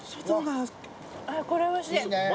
これおいしい。